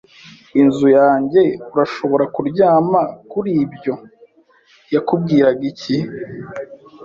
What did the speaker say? inzu yanjye, urashobora kuryama kuri ibyo. Yakubwiraga iki? ”